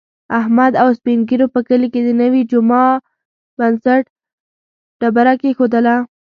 احمد او سپین ږېرو په کلي کې د نوي جوما د بنسټ ډبره کېښودله.